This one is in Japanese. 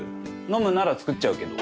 飲むなら作っちゃうけど。